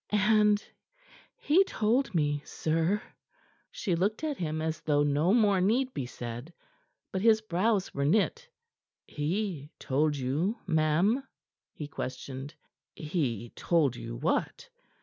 And he told me, sir." She looked at him as though no more need be said. But his brows were knit. "He told you, ma'am?" he questioned. "He told you what?"